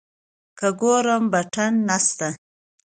که ګورم بټن نسته.